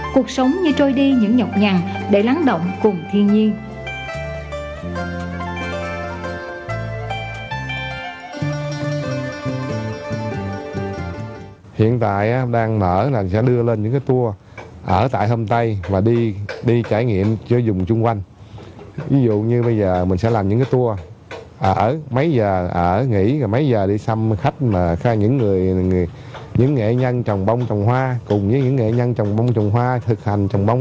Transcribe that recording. cuộc sống như trôi đi những nhọc nhằn để lắng động cùng thiên nhiên